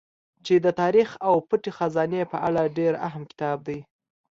چې د تاريڅ او پټې خزانې په اړه ډېر اهم کتاب دی